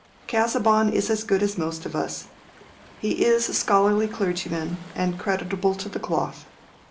Casaubon is as good as most of us. He is a scholarly clergyman, and creditable to the cloth.